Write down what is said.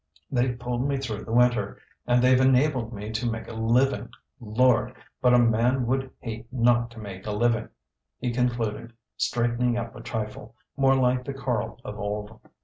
"They've pulled me through the winter, and they've enabled me to make a living. Lord, but a man would hate not to make a living!" he concluded, straightening up a trifle, more like the Karl of old.